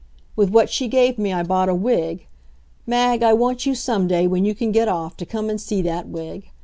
With what she gave me I bought a wig. Mag, I want you some day, when you can get off, to come and see that wig.